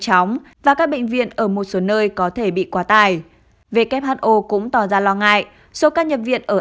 chóng và các bệnh viện ở một số nơi có thể bị quá tài who cũng tỏ ra lo ngại số ca nhập viện ở